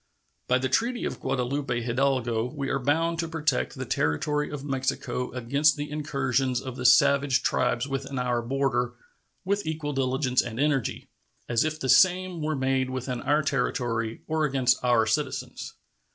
By the treaty of Guadalupe Hidalgo we are bound to protect the territory of Mexico against the incursions of the savage tribes within our border "with equal diligence and energy" as if the same were made within our territory or against our citizens.